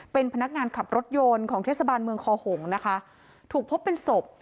เป็นพนักงานขับรถยนต์ของเทศบาลเมืองคอหงนะคะถูกพบเป็นศพ